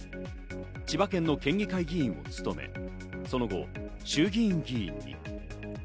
千葉県の県議会議員を務め、その後、衆議院議員に。